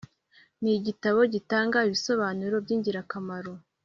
Ni igitabo gitanga ibisobanuro by’ingirakamaro